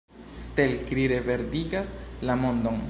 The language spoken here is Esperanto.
Stelkri reverdigas la mondon.